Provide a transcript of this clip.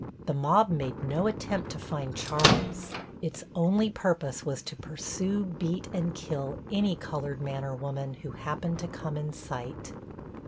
The mob made no attempt to find Charles; its only purpose was to pursue, beat and kill any colored man or woman who happened to come in sight.